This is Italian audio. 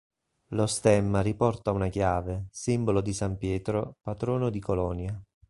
Lo stemma riporta una chiave, simbolo di san Pietro, patrono di Colonia.